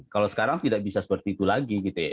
kalau sekarang tidak bisa seperti itu lagi